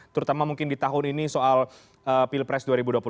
terutama mungkin di tahun ini soal pilpres dua ribu dua puluh